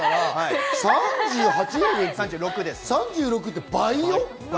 ３８？３６って倍よ？